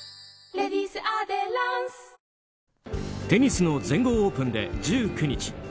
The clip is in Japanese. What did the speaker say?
テニスの全豪オープンで１９日